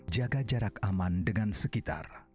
jaga jarak aman dengan sekitar